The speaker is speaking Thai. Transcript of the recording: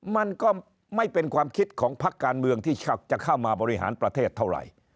มันก็ไม่เป็นความคิดของพักการเมืองที่จะเข้ามาบริหารประเทศเท่าไหร่